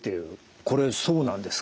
これそうなんですか？